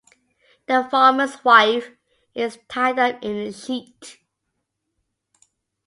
The farmer's wife is tied up in a sheet.